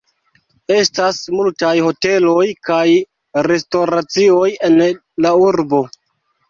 Estas multaj hoteloj kaj restoracioj en la urbo.